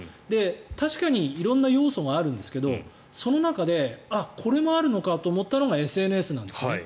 確かに色んな要素があるんですけどその中であっ、これもあるのかと思ったのがＳＮＳなんですね。